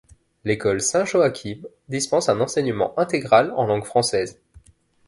L'école Saint Joachim dispense un enseignement intégral en langue française.